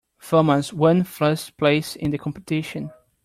Thomas one first place in the competition.